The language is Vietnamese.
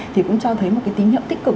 thì cũng cho thấy một cái tín hiệu tích cực